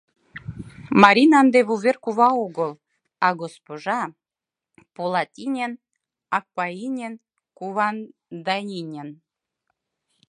Марина ынде вувер кува огыл, а госпожа Полатинен Акпаинен кувандайинен!